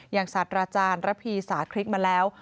อย่างสัตว์ราจารย์ระพีสาธิ์คลิกมาแล้ว